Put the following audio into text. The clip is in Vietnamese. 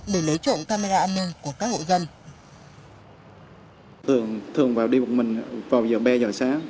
để lấy trộn camera âm nương của các hội dân